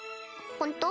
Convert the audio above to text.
ホント？